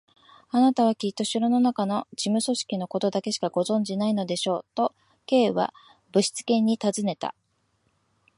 「あなたはきっと城のなかの事務組織のことだけしかご存じでないのでしょう？」と、Ｋ はぶしつけにたずねた。